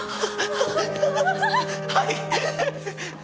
はい！